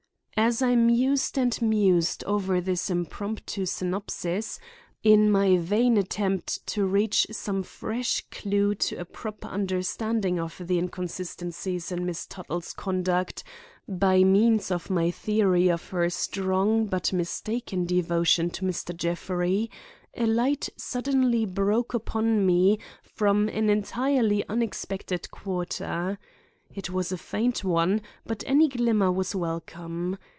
As I mused and mused over this impromptu synopsis, in my vain attempt to reach some fresh clue to a proper understanding of the inconsistencies in Miss Tuttle's conduct by means of my theory of her strong but mistaken devotion to Mr. Jeffrey, a light suddenly broke upon me from an entirely unexpected quarter. It was a faint one, but any glimmer was welcome.